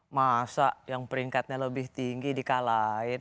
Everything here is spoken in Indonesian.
masa yang peringkatnya lebih tinggi di kalain